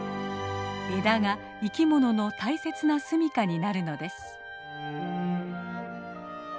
枝が生きものの大切なすみかになるのです。